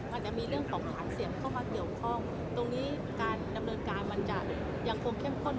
มันจะมีเรื่องของหาเสียงเข้ามาเกี่ยวข้อง